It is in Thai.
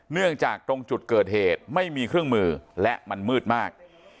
เนื่องจากตรงจุดเกิดเหตุไม่มีเครื่องมือและมันมืดมาก